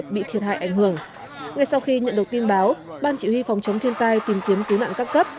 phòng chống thiên tai tìm kiếm cứu nạn cấp cấp